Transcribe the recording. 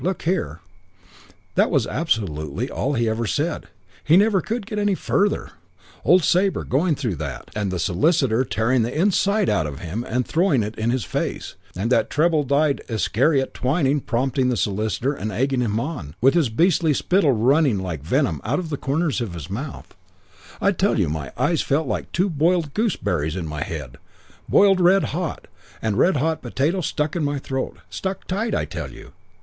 Look here '; that was absolutely all he ever said; he never could get any farther old Sabre going through that, and the solicitor tearing the inside out of him and throwing it in his face, and that treble dyed Iscariot Twyning prompting the solicitor and egging him on, with his beastly spittle running like venom out of the corners of his mouth I tell you my eyes felt like two boiled gooseberries in my head: boiled red hot; and a red hot potato stuck in my throat, stuck tight. I tell you....